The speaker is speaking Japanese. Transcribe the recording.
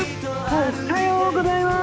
おっはようございまーす！